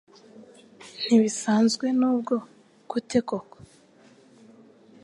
Ntibisanzwe nubwo gute koko